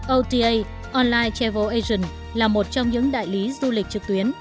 ota online travel asion là một trong những đại lý du lịch trực tuyến